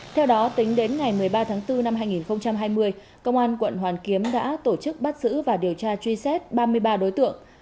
theo đó tính đến ngày một mươi ba tháng bốn năm hai nghìn hai mươi công an quận hoàn kiếm đã tổ chức bắt giữ và điều tra truy xét ba mươi ba đối tượng